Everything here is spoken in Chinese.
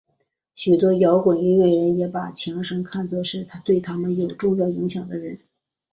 许多摇滚音乐人也把强生看作是对他们有重要影响的人。